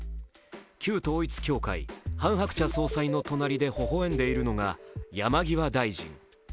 旧統一教会・ハン・ハクチャ総裁の隣でほほ笑んでいるのが山際大臣。